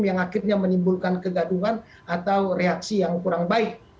yang akhirnya menimbulkan kegadungan atau reaksi yang kurang baik